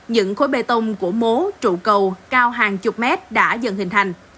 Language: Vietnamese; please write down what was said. những khối bê tông của mố trụ cầu cao hàng chục mét đã dần hình thành